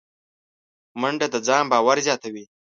منډه د ځان باور زیاتوي